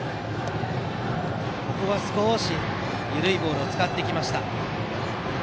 ここは少し緩いボールを使ってきました。